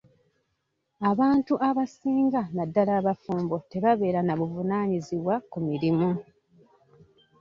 Abantu abasinga naddala abafumbo tebabeera na buvunaanyizibwa ku mirimu.